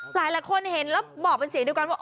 หลายคนเห็นแล้วบอกเป็นเสียงเดียวกันว่า